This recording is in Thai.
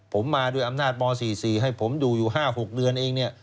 ผมมาด้วยอำนาจม๔๔ให้ผมอยู่อยู่๕๖เดือนเองเนี่ย